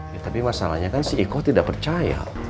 ya tapi masalahnya kan si eko tidak percaya